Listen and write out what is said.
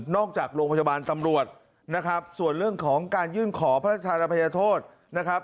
จากโรงพยาบาลตำรวจนะครับส่วนเรื่องของการยื่นขอพระราชธานภัยโทษนะครับ